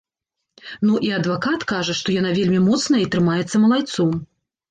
Ну і адвакат кажа, што яна вельмі моцная і трымаецца малайцом.